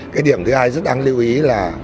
cái điểm thứ hai rất đáng lưu ý là